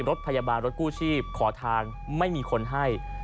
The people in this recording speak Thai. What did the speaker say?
รถพยาบาลรถกู้ชีพขอทางไม่มีคนให้